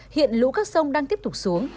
hiện lũ các sông đang tiếp tục xuống